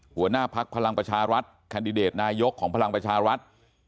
หัวหน้าภักดิ์พลังประชารัฐแคนดิเดตนายกของพลังประชารัฐ